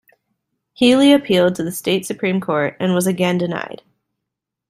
Healy appealed to the State Supreme Court and was again denied.